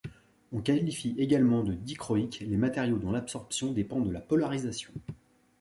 On qualifie également de dichroïques les matériaux dont l’absorption dépend de la polarisation.